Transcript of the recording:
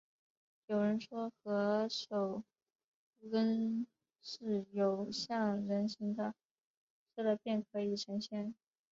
有人说，何首乌根是有像人形的，吃了便可以成仙